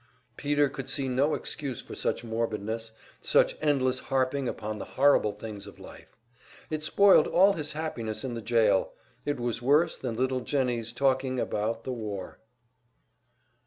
Peter could see no excuse for such morbidness, such endless harping upon the horrible things of life. It spoiled all his happiness in the jail it was worse than little Jennie's talking about the war!